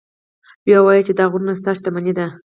ووایه چې دا غرونه ستا شتمني ده.